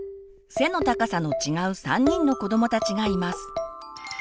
背の高さの違う３人の子どもたちがいます。